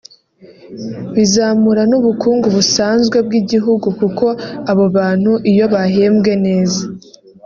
bizamura n’ubukungu busanzwe bw’igihugu kuko abo bantu iyo bahembwe neza